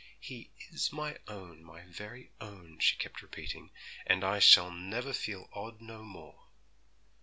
'He is my own, my very own,' she kept repeating; 'and I shall never feel odd no more!'